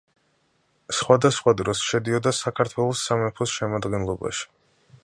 სხვა და სხვა დროს შედიოდა საქართველოს სამეფოს შემადგენლობაში.